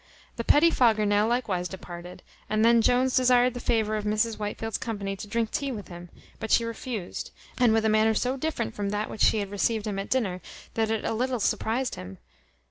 The petty fogger now likewise departed, and then Jones desired the favour of Mrs Whitefield's company to drink tea with him; but she refused, and with a manner so different from that with which she had received him at dinner, that it a little surprized him.